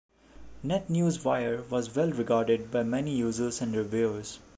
NetNewsWire was well regarded by many users and reviewers.